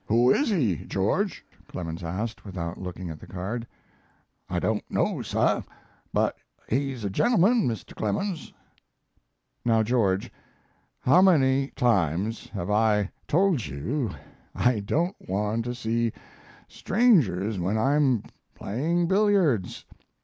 "Who is he, George?" Clemens asked, without looking at the card. "I don't know, suh, but he's a gentleman, Mr. Clemens." "Now, George, how many times have I told you I don't want to see strangers when I'm playing billiards!